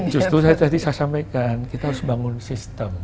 justru saya tadi saya sampaikan kita harus bangun sistem